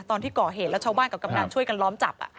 ตอนที่ก่อเหตุแล้วชาวบ้านกับกำนันช่วยกันล้อมจับ